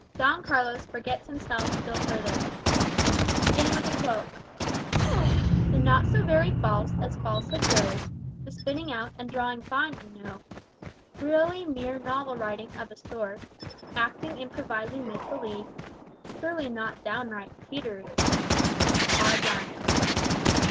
Don Carlos forgets Himself still further "The not so very false, as falsehood goes, The spinning out and drawing fine, you know; Really mere novel writing, of a sort, Acting, improvising, make believe, Surely not downright cheatery!" R. Browning.